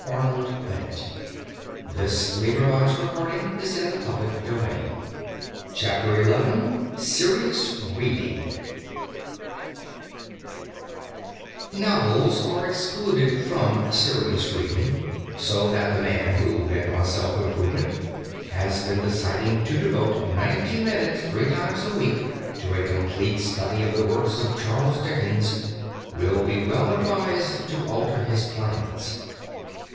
I now come to the case of the person, happily very common, who does "like reading." XI SERIOUS READING Novels are excluded from "serious reading," so that the man who, bent on self improvement, has been deciding to devote ninety minutes three times a week to a complete study of the works of Charles Dickens will be well advised to alter his plans.